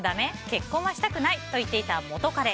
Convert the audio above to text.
結婚はしたくないと言っていた元カレ。